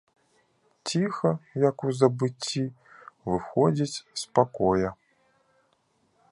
Ціха, як у забыцці, выходзіць з пакоя.